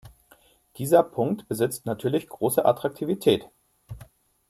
Dieser Punkt besitzt natürlich große Attraktivität.